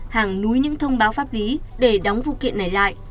hàng núi những thông báo pháp lý để đóng vụ kiện này lại